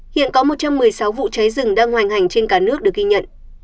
hiện có một trăm một mươi sáu vụ cháy rừng đang hoành hành trên cả nước được ghi nhận